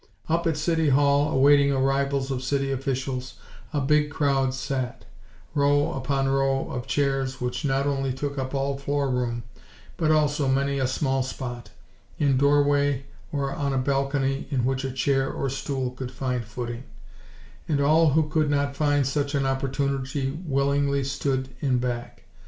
Up at City Hall awaiting arrivals of city officials, a big crowd sat; row upon row of chairs which not only took up all floor room, but also many a small spot, in door way or on a balcony in which a chair or stool could find footing; and all who could not find such an opportunity willingly stood in back.